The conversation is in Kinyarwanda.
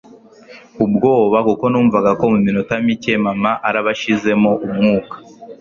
ubwoba kuko numvaga ko muminota mike mama araba ashizemo umwuka